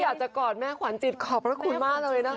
อยากจะกอดแม่ขวัญจิตขอบพระคุณมากเลยนะคะ